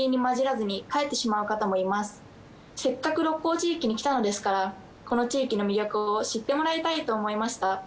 せっかく鹿行地域に来たのですからこの地域の魅力を知ってもらいたいと思いました。